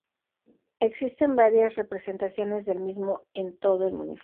Existen varias representaciones del mismo en todo el municipio.